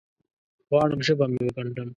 غواړم ژبه مې وګنډم